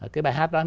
cái bài hát đó